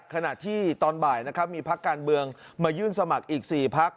ขณะที่ตอนบ่ายนะครับมีพักการเมืองมายื่นสมัครอีก๔พัก